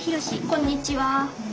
こんにちは。